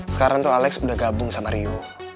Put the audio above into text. sekarang tuh alex udah gabung sama rio